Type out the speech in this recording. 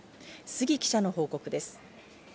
杉記者の報告です。